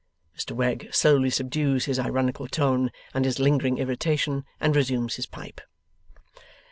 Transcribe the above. Mr Wegg slowly subdues his ironical tone and his lingering irritation, and resumes his pipe.